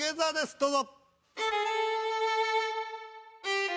どうぞ。